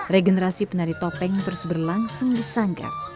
regenerasi penari topeng terus berlangsung di sanggar